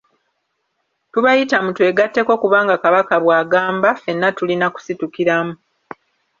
Tubayita mutwegatteko kubanga Kabaka bw’agamba, ffena tulina kusitukiramu.